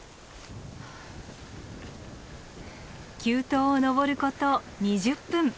急登を登ること２０分。